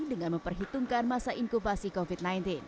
dengan memperhitungkan masa inkubasi covid sembilan belas